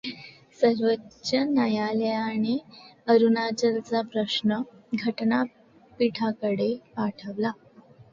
सर्वोच्च न्यायालयाने अरुणाचलचा प्रश्न घटनापीठाकडे पाठवला.